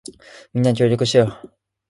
みんな、協力してよ。